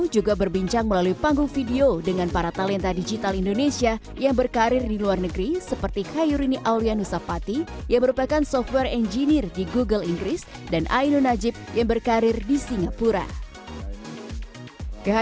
sileps indonesia juga diresmikan langsung oleh presiden joko widodo